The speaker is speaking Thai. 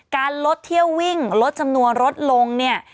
การลดเที่ยววิ่งลดจำนวนลดลงเนี่ย